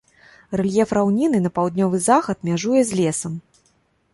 Рэльеф раўнінны, на паўднёвы захад мяжуе з лесам.